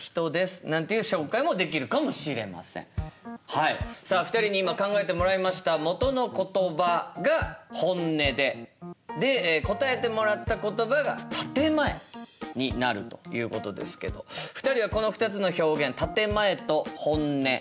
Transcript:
はいさあ２人に今考えてもらいましたもとの言葉が「本音」でで答えてもらった言葉が「建て前」になるということですけど２人はこの２つの表現「建て前」と「本音」。